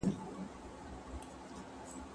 وَمَا يَعْقِلُهَا إِلَّا الْعَالِمُونَ.